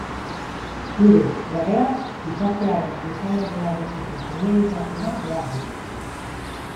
Hiru, legeak gizartearen gizalegearekiko zilegitasuna behar du.